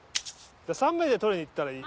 ゃあ３名で取りに行ったらいい？